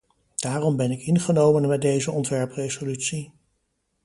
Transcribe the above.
Daarom ben ik ingenomen met deze ontwerpresolutie.